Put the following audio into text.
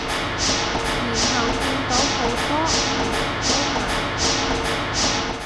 然後見到好多藝人都奶